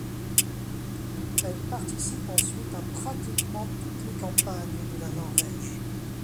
Elle participe ensuite à pratiquement toutes les campagnes de la Norvège.